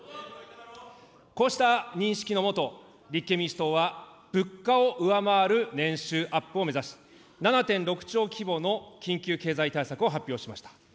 こうした認識の下、立憲民主党は物価を上回る年収アップを目指し、７．６兆規模の緊急経済対策を発表しました。